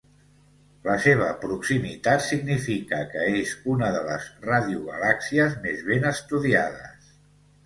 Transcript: La seva proximitat significa que és una de les radiogalàxies més ben estudiades.